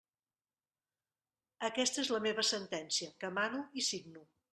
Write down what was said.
Aquesta és la meva sentència, que mano i signo.